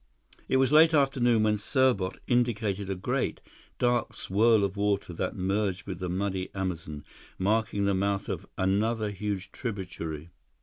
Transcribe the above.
It was late afternoon when Serbot indicated a great, dark swirl of water that merged with the muddy Amazon, marking the mouth of another huge tributary.